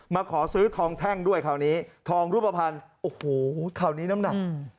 มาขอซื้อทองแท่งด้วยคราวนี้ทองรูปภัณฑ์โอ้โหคราวนี้น้ำหนัก